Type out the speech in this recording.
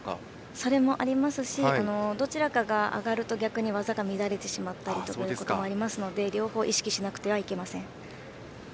それもありますしどちらかが上がると逆に技が乱れたりすることもあるので両方意識しなくてはいけません。